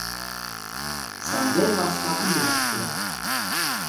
Санден ласка тӱняште